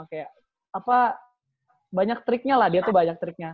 kayak apa banyak triknya lah dia tuh banyak triknya